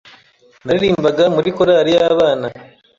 naririmbaga muri korari y’abana